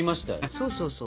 そうそうそう。